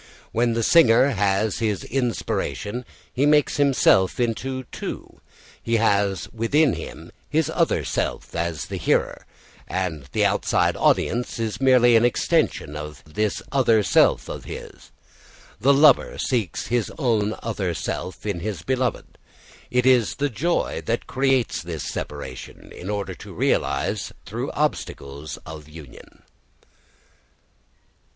When the singer has his inspiration he makes himself into two; he has within him his other self as the hearer, and the outside audience is merely an extension of this other self of his. The lover seeks his own other self in his beloved. It is the joy that creates this separation, in order to realise through obstacles of union.